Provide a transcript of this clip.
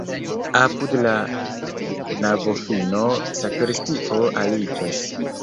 Apud la navofino sakristio aliĝas.